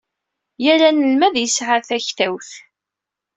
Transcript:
Yal anelmad yesɛa takwat.